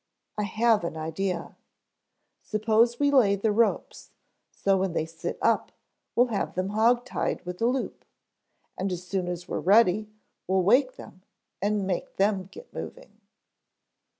"I have an idea. Suppose we lay the ropes so when they sit up we'll have them hog tied with a loop, and as soon as we're ready we'll wake them and make them get moving."